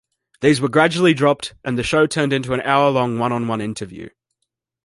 These were gradually dropped and the show turned into an hour-long one-on-one interview.